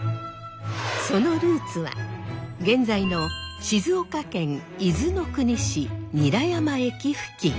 そのルーツは現在の静岡県伊豆の国市韮山駅付近。